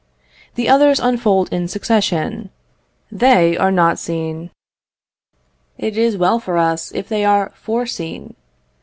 The others unfold in succession they are not seen: it is well for us if they are foreseen.